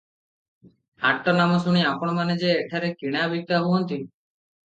ହାଟ ନାମ ଶୁଣି ଆପଣମାନେ ଯେ, ଏଠାରେ କିଣା ବିକାହୁଅନ୍ତି ।